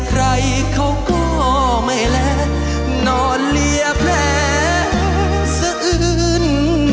ใครเขาก็ไม่แลกนอนเลียแผลสะอื้น